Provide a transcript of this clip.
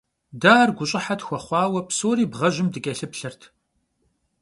Дэ ар гущӀыхьэ тщыхъуауэ, псори бгъэжьым дыкӀэлъыплъырт.